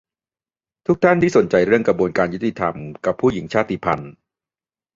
ทุกท่านที่สนใจเรื่องกระบวนการยุติธรรมกับผู้หญิงชาติพันธุ์